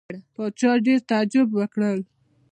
پاچا ډېر تعجب وکړ.